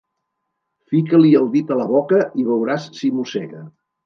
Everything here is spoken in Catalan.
Fica-li el dit a la boca i veuràs si mossega.